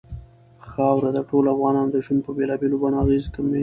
خاوره د ټولو افغانانو ژوند په بېلابېلو بڼو اغېزمن کوي.